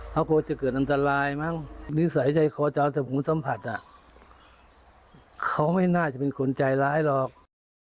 เขาควรจะเกิดอันตรายมั้ง